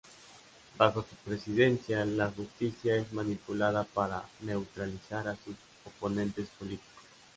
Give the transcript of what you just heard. Bajo su presidencia, la justicia es manipulada para neutralizar a sus oponentes políticos.